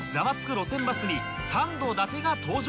路線バス』にサンド伊達が登場